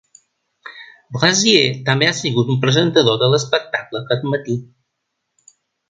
Brazier també ha sigut un presentador de l'espectacle "Aquest matí".